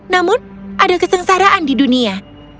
namun ada kesengsaraan di dunia